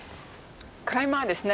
クライマーですね。